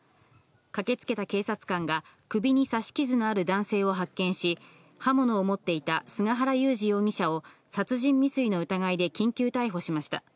駆けつけた警察官が、首に刺し傷がある男性を発見し、刃物を持っていた菅原勇二容疑者を、殺人未遂の疑いで緊急逮捕しました。